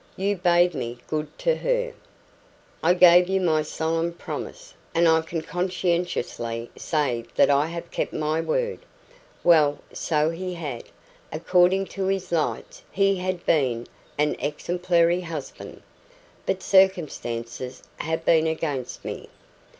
You bade me be good to her; I gave you my solemn promise and I can conscientiously say that I have kept my word." Well, so he had; according to his lights he had been an exemplary husband. "But circumstances have been against me.